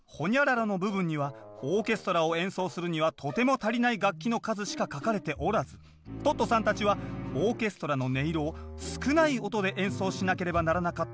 の部分にはオーケストラを演奏するにはとても足りない楽器の数しか書かれておらずトットさんたちはオーケストラの音色を少ない音で演奏しなければならなかったといいます